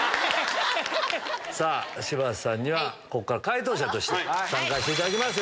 柴田さんには解答者として参加していただきます。